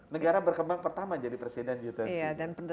negara berkembang pertama jadi presiden g dua puluh